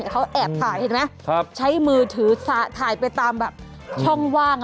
เขาแอบถ่ายใช้มือถือสะถ่ายไปตามช่องวาง